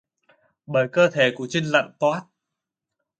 bởi cơ thể của trinh lạnh toát